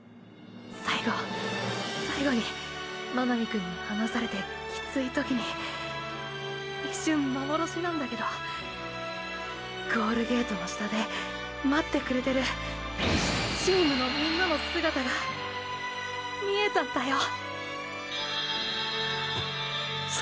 最後最後に真波くんに離されてきつい時に一瞬まぼろしなんだけどゴールゲートの下で待ってくれてるチームのみんなの姿が見えたんだよ。ッ。